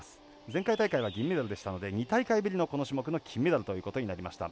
前回大会は銀メダルでしたので２大会ぶりの、この種目の金メダルということになりました。